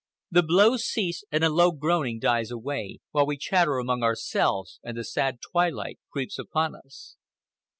The blows cease, and a low groaning dies away, while we chatter among ourselves and the sad twilight creeps upon us.